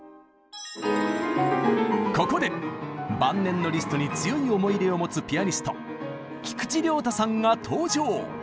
ここで晩年のリストに強い思い入れを持つピアニスト菊池亮太さんが登場！